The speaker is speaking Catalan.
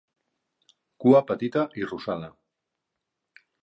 Cua petita i rosada.